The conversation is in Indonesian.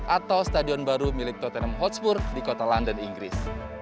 atau stadion baru milik tottenham hotspur di kota london inggris